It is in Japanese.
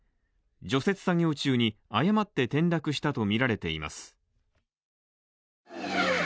除雪作業中に誤って転落したものとみられます。